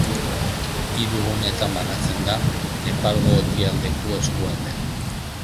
Hiru gunetan banatzen da Nepalgo Ekialdeko eskualdea.